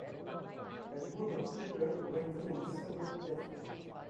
A group of people waiting on a subway platform